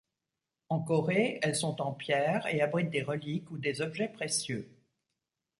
En Corée, elles sont en pierre et abritent des reliques ou des objets précieux.